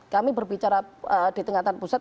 kami berbicara di tingkatan pusat